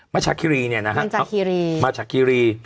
มิจักรีเนี่ยนะฮะมิจักรี